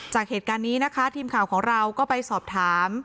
จากเหตุการณ์นี้นะคะทีมข่าวของเราก็ไปสอบถาม